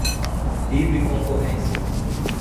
livre concorrência